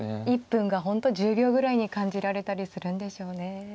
１分が本当１０秒ぐらいに感じられたりするんでしょうね。